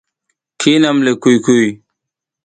Ki hinam le kuy kuy.